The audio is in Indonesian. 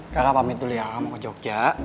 kakak pamit dulu ya aku mau ke jogja